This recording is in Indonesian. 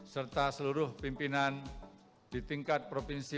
serta seluruh pimpinan di tingkat provinsi